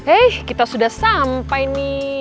eh kita sudah sampai nih